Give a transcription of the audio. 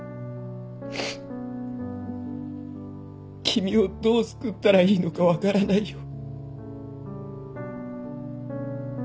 君をどう救ったらいいのか分からないよ。